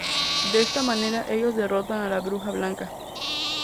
De esta manera ellos derrotan a la Bruja Blanca.